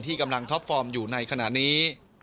กำลังท็อปฟอร์มอยู่ในขณะนี้